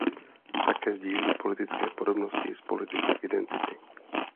Také sdílí politické podobnosti s politikou identity.